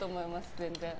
全然。